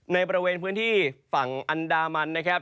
ในบริเวณพื้นที่ฝั่งอันดามันนะครับ